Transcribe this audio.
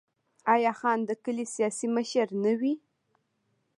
آیا خان د کلي سیاسي مشر نه وي؟